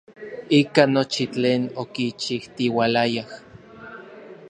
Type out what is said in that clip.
Ika nochi tlen okichijtiualayaj.